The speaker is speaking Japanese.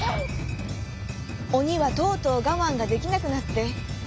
オニはとうとうがまんができなくなって。